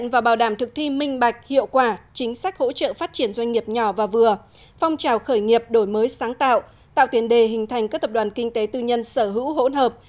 và bảo đảm thực thi minh bạch hiệu quả chính sách hỗ trợ phát triển doanh nghiệp nhỏ và vừa phong trào khởi nghiệp đổi mới sáng tạo tạo tiền đề hình thành các tập đoàn kinh tế tư nhân sở hữu hỗn hợp